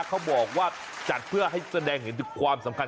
เขาบอกว่าจัดเพื่อให้แสดงเห็นถึงความสำคัญ